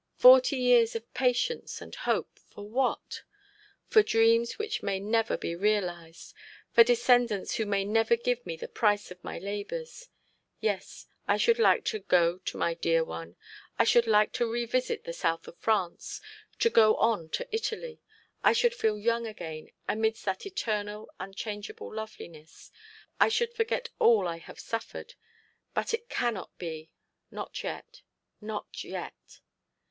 Forty years of patience and hope, for what? For dreams which may never be realised; for descendants who may never give me the price of my labours. Yes, I should like to go to my dear one. I should like to revisit the South of France, to go on to Italy. I should feel young again amidst that eternal, unchangeable loveliness. I should forget all I have suffered. But it cannot be. Not yet, not yet!'